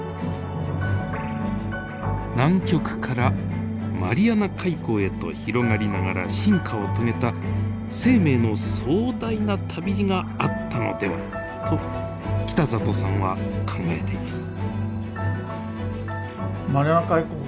南極からマリアナ海溝へと広がりながら進化を遂げた生命の壮大な旅路があったのではと北里さんは考えています。